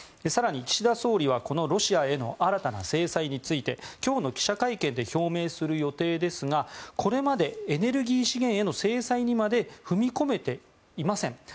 更に、岸田総理はロシアへの新たな制裁について今日の記者会見で表明する予定ですがこれまでエネルギー資源への制裁にまで踏み込めていません。